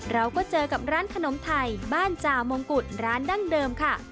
เราก็เจอกับร้านขนมไทยบ้านจามงกุฎร้านดั้งเดิมค่ะ